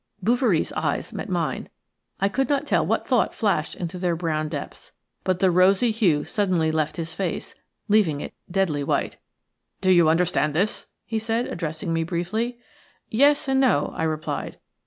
Bouverie's eyes met mine. I could not tell what thought flashed into their brown depths; but the rosy hue suddenly left his face, leaving it deadly white. "Do you understand this?" he said, addressing me briefly. "Yes and no," I replied.